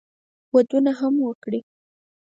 ودونه هم وکړي.